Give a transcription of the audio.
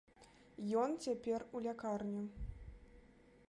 Ён цяпер у лякарні.